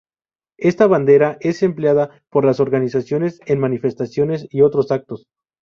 Esta bandera es empleada por las organizaciones en manifestaciones y otros actos.